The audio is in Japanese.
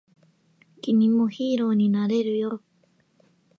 君もヒーローになれるよ